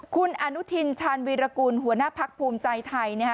คุณอนุทินชาญวีรกุลหัวหน้าพักภูมิใจไทย